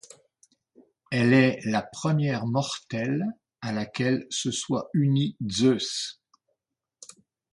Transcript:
Elle est la première mortelle à laquelle se soit uni Zeus.